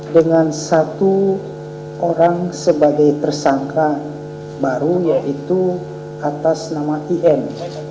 dengan satu orang sebagai tersangka baru yaitu atas nama in